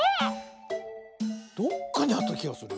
どっかにあったきがする。